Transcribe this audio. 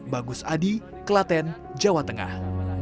bagus adi kelaten jawa tengah